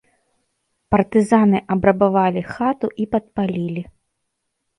Партызаны абрабавалі хату і падпалілі.